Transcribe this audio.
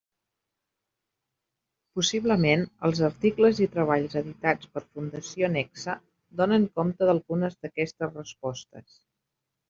Possiblement, els articles i treballs editats per Fundació Nexe donen compte d'algunes d'aquestes respostes.